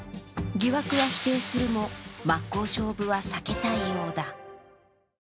疑惑は否定するも、真っ向勝負は避けたいようだ。